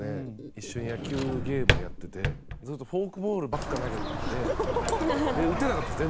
一緒にずっとフォークボールばっかり投げてきて打てなかったんです。